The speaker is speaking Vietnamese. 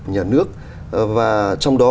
nhà nước và trong đó